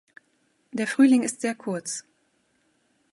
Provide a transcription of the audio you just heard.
Der Frühling ist sehr kurz.